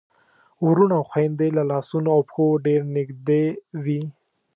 وروڼه او خويندې له لاسونو او پښو ډېر نږدې وي.